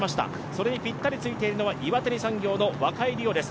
それにぴったりついているのは岩谷産業の若井莉央です。